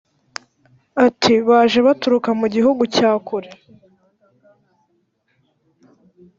ati «Baje baturuka mu gihugu cya kure,